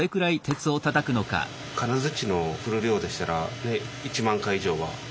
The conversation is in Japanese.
金づちの振る量でしたら１万回以上は。